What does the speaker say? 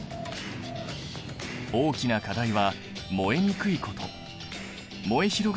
大きな課題は燃えにくいこと。